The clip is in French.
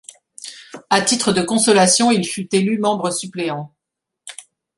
À titre de consolation il fut élu membre suppléant.